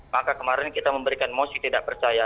maka kemarin kita memberikan mosi tidak percaya